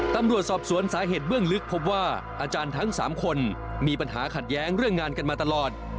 ตำรวจสอบสวนสาเหตุเบื้องลึกพบว่าอาจารย์ทั้ง๓คนมีปัญหาขัดแย้งเรื่องงานกันมาตลอด